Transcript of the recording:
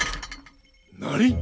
何！？